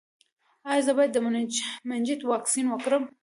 ایا زه باید د مننجیت واکسین وکړم؟